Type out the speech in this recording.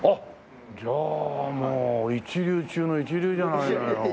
じゃあもう一流中の一流じゃないのよ。